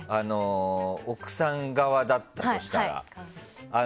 奥さん側だったとしたらね。